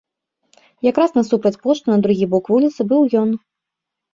Якраз насупраць пошты на другі бок вуліцы быў ён.